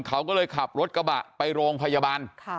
เขาก็เลยขับรถกระบะไปโรงพยาบาล